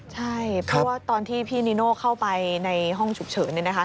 ใช่เพราะว่าตอนที่พี่นิโน่เข้าไปในห้องฉุกเฉิน